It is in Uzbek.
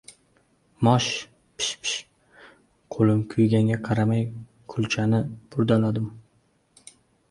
Mosh! Pish-pish! - Qo‘lim kuyganga qaramay kulchani burdaladim.